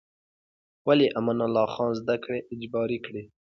ولې امان الله خان زده کړې اجباري کړې؟